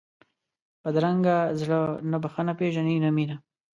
بدرنګه زړه نه بښنه پېژني نه مینه